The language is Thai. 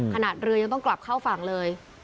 เรือยังต้องกลับเข้าฝั่งเลย